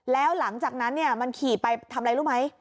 แล้วหลังจากนั้นมันขี่ไปทำอะไรรู้ไหม